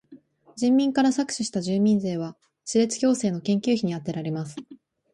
人民から搾取した住民税は歯列矯正の研究費にあてられます。